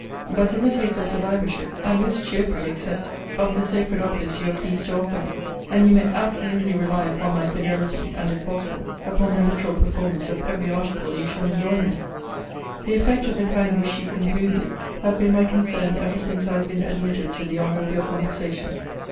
But, in the case of survivorship, I most cheerfully accept of the sacred office you are pleased to offer me; and you may absolutely rely upon my fidelity, and, if possible, upon the literal performance of every article you shall enjoin me. The effect of the kind wish you conclude with, had been my concern ever since I have been admitted to the honour of your conversation.